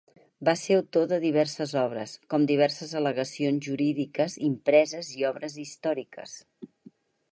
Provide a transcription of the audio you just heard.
Va ser autor de diverses obres, com diverses al·legacions jurídiques impreses i obres històriques.